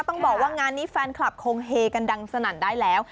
ต้องบอกว่างานนี้แฟนคลับคงเฮกันดังสนั่นได้แล้ว